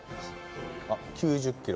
あっ９０キロ。